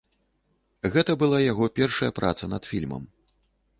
Гэта была яго першая праца над фільмам.